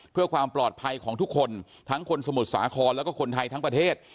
เพื่อความปลอดภัยของทุกคนทั้งคนสมุทรสาครแล้วก็คนไทยทั้งประเทศ